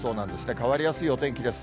変わりやすいお天気です。